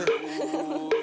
「フフフフ！」